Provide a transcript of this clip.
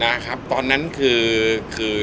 ครับตอนนั้นคือ